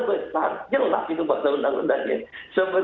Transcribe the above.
kenaikan uang minimum kabupaten kota atau umk dapat didetapkan oleh gubernur